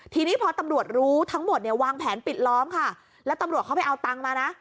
ทีนี้พอตำรวจรู้ทั้งหมดเนี่ยวางแผนปิดล้อมค่ะแล้วตำรวจเขาไปเอาตังค์มานะ